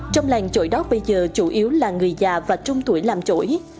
trong làng chổi đót bây giờ chủ yếu là người già và trung tuổi làm trỗi